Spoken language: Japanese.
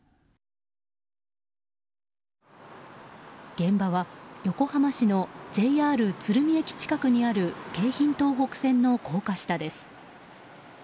現場は、横浜市のＪＲ鶴見駅近くにある京浜東北線の高架下です。